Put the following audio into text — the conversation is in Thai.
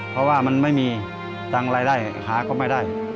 เพราะว่ามันไม่มีตังค์รายได้หาก็ไม่ได้